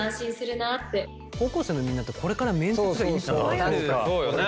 高校生のみんなってこれから面接がいっぱいある。